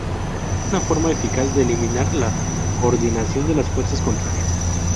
Es una forma eficaz de eliminar la coordinación de las fuerzas contrarias.